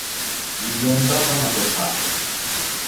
Миллионда ғына торһа!